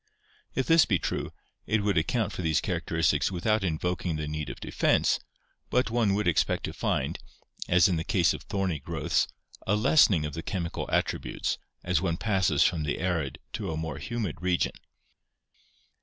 If this be true, it would account for these characteristics without invoking the need of defense, but one would expect to find, as in the case of thorny growths, a lessening of the chemical attributes as one passes from the arid to a more humid region.